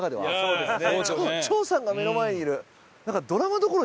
そうですね。